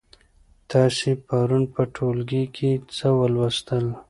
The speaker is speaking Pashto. تاسې پرون په ټولګي کې څه ولوستل؟